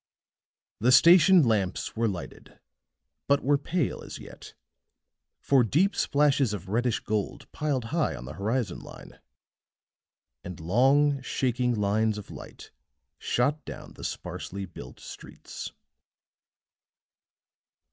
The station lamps were lighted, but were pale as yet, for deep splashes of reddish gold piled high on the horizon line, and long, shaking lines of light shot down the sparsely built streets.